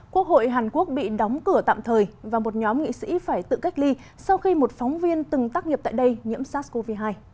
quốc hội hàn quốc bị đóng cửa tạm thời và một nhóm nghị sĩ phải tự cách ly sau khi một phóng viên từng tác nghiệp tại đây nhiễm sars cov hai